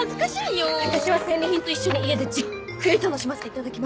私は戦利品と一緒に家でじっくり楽しませていただきます。